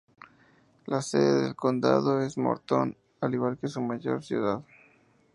La sede del condado es Morton, al igual que su mayor ciudad.